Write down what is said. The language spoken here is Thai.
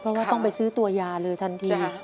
เพราะว่าต้องไปซื้อตัวยาเลยทันที